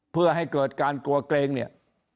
เพื่อให้เกิดการกลัวเกรงเนี่ย